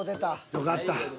よかった。